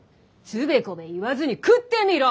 「つべこべ言わずに食ってみろ！」